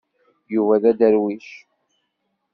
Yuba d aderwic.